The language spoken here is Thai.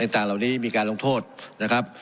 ต่างเหล่านี้มีการลงโทษนะครับ